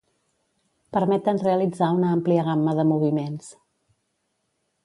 Permeten realitzar una àmplia gamma de moviments.